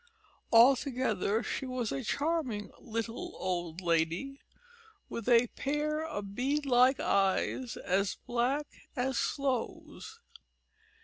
Altogether she was a charming little old lady, with a pair of bead like eyes as black as sloes.